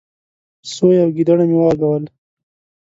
. سوی او ګيدړه مې وغږول،